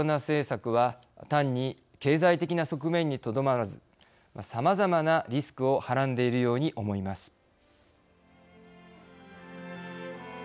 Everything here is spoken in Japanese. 政策は単に経済的な側面にとどまらずさまざまなリスクをはらんでいるように思います。